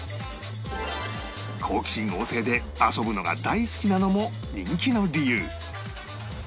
好奇心旺盛で遊ぶのが大好きなのも人気の理由